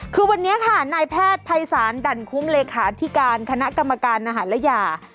คือวันนี้ค่ะนายแพทย์ภัยศาลดั่นคุ้มเลขาธิการคณะกรรมการอาหารและยา